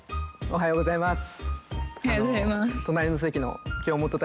おはようございます。